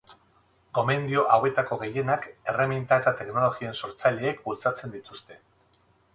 Gomendio hauetako gehienak erreminta eta teknologien sortzaileek bultzatzen dituzte.